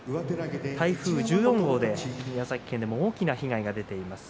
台風１４号で宮崎県でも大きな被害が出ています。